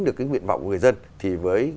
được cái nguyện vọng của người dân thì với